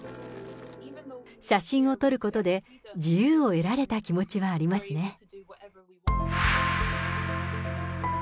写真を撮ることで、自由を得られた気持ちはありますね。